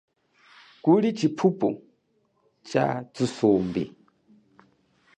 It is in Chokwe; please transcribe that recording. Kuli chipita cha thusumbi.